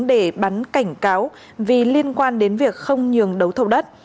để bắn cảnh cáo vì liên quan đến việc không nhường đấu thầu đất